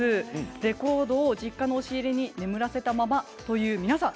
レコードを実家の押し入れに眠らせたままという皆さん